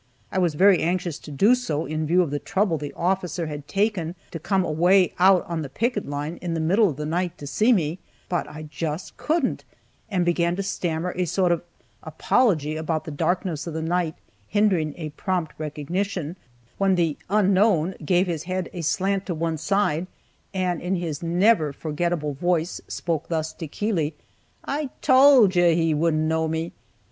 I was very anxious to do so in view of the trouble the officer had taken to come away out on the picket line, in the middle of the night, to see me, but I just couldn't, and began to stammer a sort of apology about the darkness of the night hindering a prompt recognition, when the "unknown" gave his head a slant to one side, and, in his never forgettable voice, spoke thus to Keeley: "I told you he wouldn't know me."